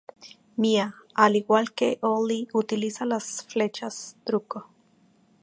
Mia, al igual que Ollie, utiliza las flechas truco.